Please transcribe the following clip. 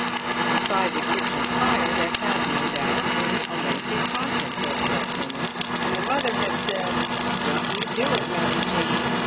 Beside the kitchen fire there had, no doubt, been a lengthy conference over that rumour, and the mother had said, "Don't you do it, Mary Jane.